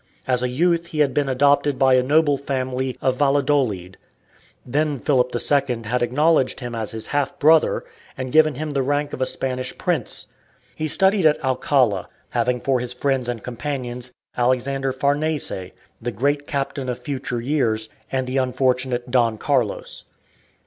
As a youth he had been adopted by a noble family of Valladolid. Then Philip II had acknowledged him as his half brother, and given him the rank of a Spanish Prince. He studied at Alcala, having for his friends and companions Alexander Farnese, the "Great Captain" of future years, and the unfortunate Don Carlos.